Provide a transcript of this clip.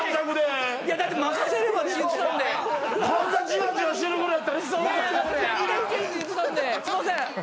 すいません。